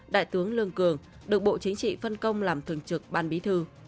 đại tướng lương cường được bộ chính trị phân công làm thường trực ban bí thư